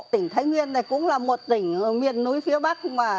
tỉnh thái nguyên này cũng là một tỉnh ở miền núi phía bắc